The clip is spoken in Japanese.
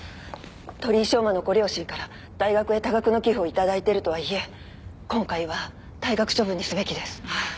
鳥居翔真のご両親から大学へ多額の寄付を頂いているとはいえ今回は退学処分にすべきです。